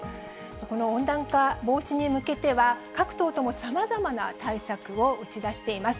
この温暖化防止に向けては、各党ともさまざまな対策を打ち出しています。